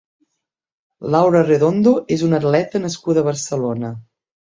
Laura Redondo és una atleta nascuda a Barcelona.